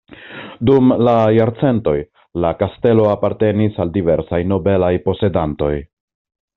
Dum la jarcentoj la kastelo apartenis al diversaj nobelaj posedantoj.